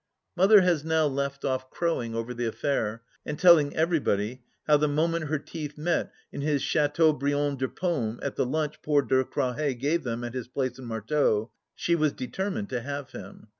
Mother has now left off crowing over the affair, and teUing everybody how the moment her teeth met in his Chateaubriand de pommes at the lunch poor Da Crawhez gave them at his place at Marteau, she was determined to have him.